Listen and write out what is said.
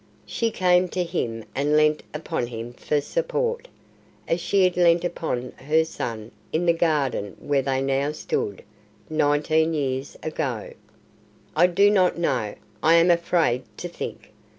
She came to him and leant upon him for support, as she had leant upon her son in the garden where they now stood, nineteen years ago. "I do not know, I am afraid to think.